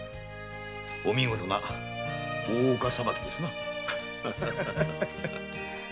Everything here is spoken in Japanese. おみごとな「大岡裁き」ですなぁ。